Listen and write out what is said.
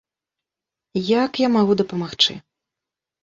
Як я магу дапамагчы?